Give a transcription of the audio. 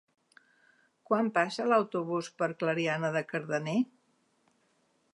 Quan passa l'autobús per Clariana de Cardener?